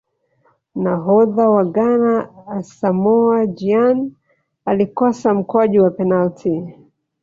nahodha wa ghana asamoah gyan alikosa mkwaju wa penati